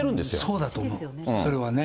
そうだと思う、それはね。